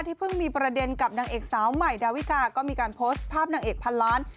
เพิ่งมีประเด็นกับนางเอกสาวใหม่ดาวิกาก็มีการโพสต์ภาพนางเอกพันล้าน